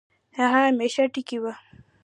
هغه همېشه ټکے وۀ